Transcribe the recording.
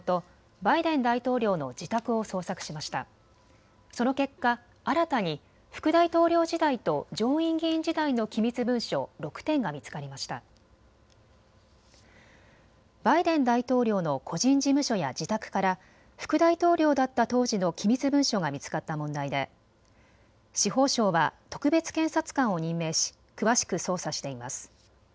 バイデン大統領の個人事務所や自宅から副大統領だった当時の機密文書が見つかった問題で司法省は特別検察官を任命し詳しく捜査しています。